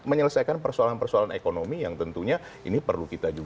menyelesaikan persoalan persoalan ekonomi yang tentunya ini perlu kita juga